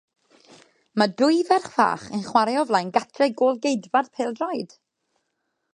Mae dwy ferch fach yn chwarae o flaen gatiau gôl-geidwad pêl-droed.